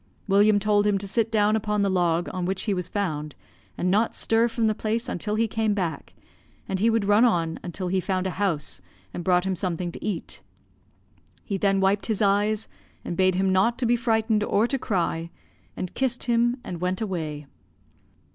William told him to sit down upon the log on which he was found, and not stir from the place until he came back, and he would run on until he found a house and brought him something to eat. He then wiped his eyes, and bade him not to be frightened or to cry, and kissed him and went away.